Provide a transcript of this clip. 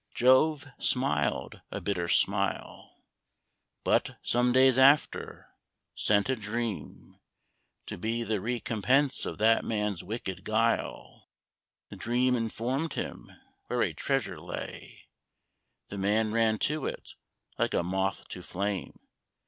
Jove smiled a bitter smile; But, some days after, sent a dream, to be The recompense of that man's wicked guile. The dream informed him where a treasure lay: The man ran to it, like a moth to flame.